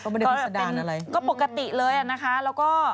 บริเวณพฤษฎานอะไรก็ปกติเลยนะคะแล้วก็